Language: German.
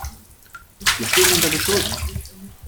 Wir stehen unter Beschuss!